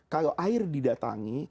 kalau air didatangi